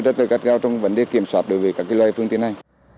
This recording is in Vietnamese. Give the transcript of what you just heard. rất là gắt gau trong vấn đề kiểm soát đối với các loại phương tiện này